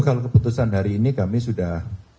kalau keputusan hari ini kami sudah